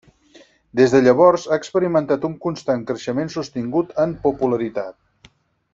Des de llavors ha experimentat un constant creixement sostingut en popularitat.